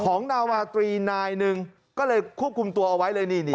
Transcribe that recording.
นาวาตรีนายหนึ่งก็เลยควบคุมตัวเอาไว้เลยนี่